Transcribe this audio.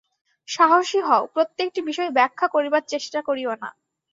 সাহসী হও, প্রত্যেকটি বিষয় ব্যাখ্যা করিবার চেষ্টা করিও না।